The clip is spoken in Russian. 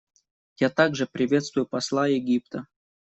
Я также приветствую посла Египта.